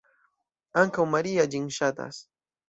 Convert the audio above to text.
Ankaŭ Maria ĝin ŝatas.